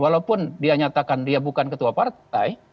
walaupun dia nyatakan dia bukan ketua partai